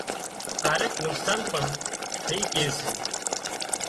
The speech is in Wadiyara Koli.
ڪاريڪ نقصان پڻ ٿئي ڪي سي